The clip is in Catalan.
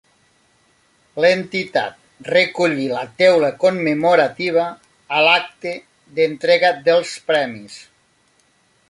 L'entitat recollí la teula commemorativa a l'acte d'entrega dels premis.